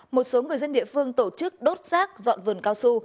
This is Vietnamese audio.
một số người dân địa phương tổ chức đốt rác dọn vườn cao su